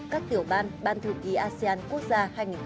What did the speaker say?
các tiểu ban ban thư ký asean quốc gia hai nghìn hai mươi